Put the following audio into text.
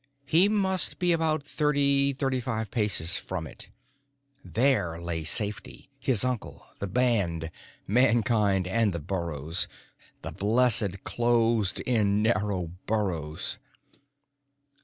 He must be about thirty, thirty five paces from it. There lay safety: his uncle, the band, Mankind and the burrows the blessed, closed in, narrow burrows!